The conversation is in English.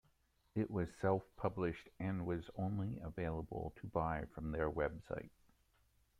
It was self-published and was only available to buy from their website.